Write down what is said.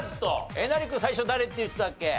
えなり君最初誰って言ってたっけ？